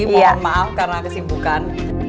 mohon maaf karena kesibukan